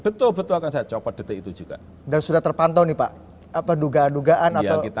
betul betul akan saya copot detik itu juga dan sudah terpantau nih pak apa dugaan dugaan atau